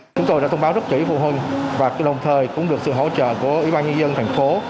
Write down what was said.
chúng tôi đã thông báo rất kỹ phụ huynh và đồng thời cũng được sự hỗ trợ của ủy ban nhân dân thành phố